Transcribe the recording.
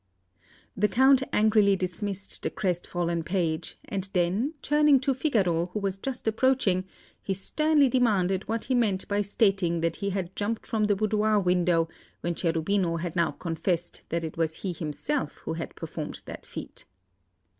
The Count angrily dismissed the crestfallen page; and then, turning to Figaro, who was just approaching, he sternly demanded what he meant by stating that he had jumped from the boudoir window, when Cherubino had now confessed that it was he himself who had performed that feat.